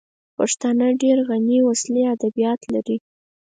پښتانه ډېر غني ولسي ادبیات لري